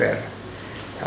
saya rasa tidak fair